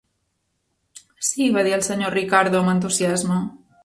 "Sí", va dir el senyor Ricardo amb entusiasme.